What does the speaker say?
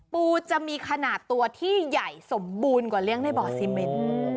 ปูจะมีขนาดตัวที่ใหญ่สมบูรณ์กว่าเลี้ยงในบ่อซีเมน